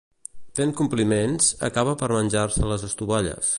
Fent compliments, acaba per menjar-se les estovalles.